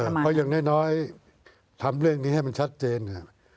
เพราะอย่างน้อยทำเรื่องนี้ให้มันชัดเจน